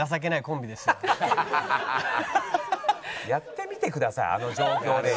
やってみてくださいあの状況で。